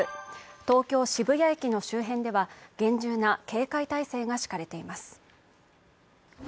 東京・渋谷駅の周辺では厳重な警戒態勢が敷かれています。